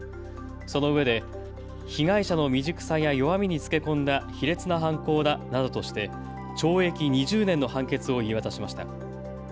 そのうえで被害者の未熟さや弱みにつけ込んだ卑劣な犯行だなどとして、懲役２０年の判決を言い渡しました。